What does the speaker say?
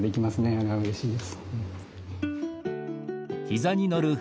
あれはうれしいです。